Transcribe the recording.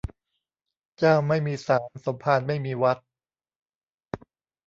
เจ้าไม่มีศาล สมภารไม่มีวัด